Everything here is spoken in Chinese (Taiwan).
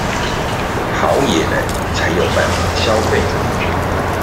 好野人才有辦法消費